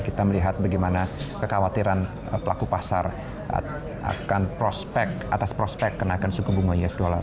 kita melihat bagaimana kekhawatiran pelaku pasar akan prospek atas prospek kenaikan suku bunga usd